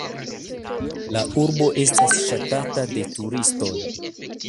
La urbo estas ŝatata de turistoj.